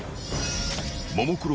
［ももクロ